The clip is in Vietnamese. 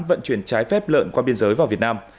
vận chuyển trái phép lợn qua biên giới vào việt nam